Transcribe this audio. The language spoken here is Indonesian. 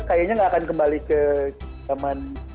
kayaknya nggak akan kembali ke zaman